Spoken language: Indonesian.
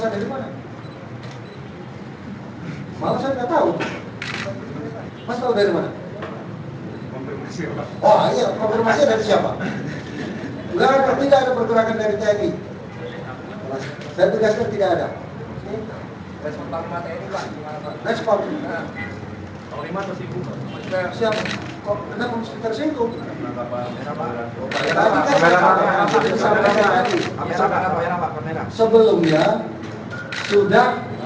dan tidak ada pergerakan